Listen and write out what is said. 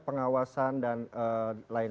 pengawasan dan lain